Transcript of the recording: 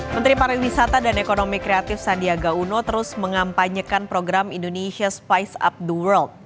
menteri pariwisata dan ekonomi kreatif sandiaga uno terus mengampanyekan program indonesia spice up the world